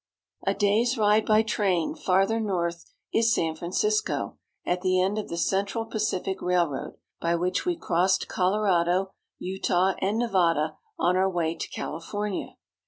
A day's ride by train farther north is San Francisco, at the end of the Central Pacific Railroad, by which we SAN FRANCISCO. 2/5 crossed Colorado, Utah, and Nevada, on our way to Cali fornia.